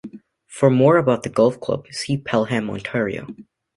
For more about the golf club, see Pelham, Ontario.